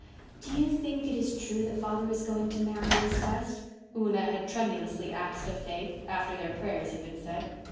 "Do you think it is true that father is going to marry Miss West?" Una had tremulously asked of Faith, after their prayers had been said.